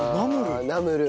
ナムル。